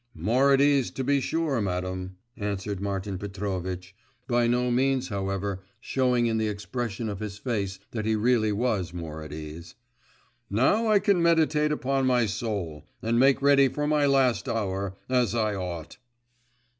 'More at ease, to be sure, madam,' answered Martin Petrovitch, by no means, however, showing in the expression of his face that he really was more at ease. 'Now I can meditate upon my soul, and make ready for my last hour, as I ought.